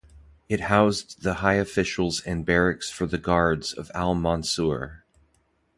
It housed the High officials and barracks for the guards of Al-Mansur.